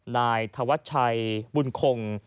นายธวัชชัยบุญคง